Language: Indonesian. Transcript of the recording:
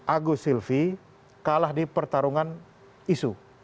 agus silvi kalah di pertarungan isu